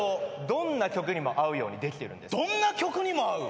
どんな曲にも合う？え！？